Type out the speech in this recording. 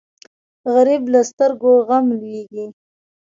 غریب له سترګو غم لوېږي